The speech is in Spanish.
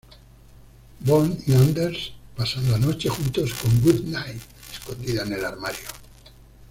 Bond y Anders pasan la noche juntos con Goodnight escondida en el armario.